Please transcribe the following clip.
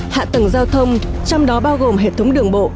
hạ tầng giao thông trong đó bao gồm hệ thống đường bộ